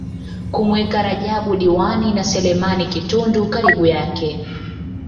kumweka Rajab Diwani na Selemani Kitundu karibu yake